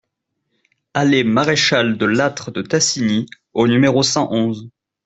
Allée Maréchal de Lattre de Tassigny au numéro cent onze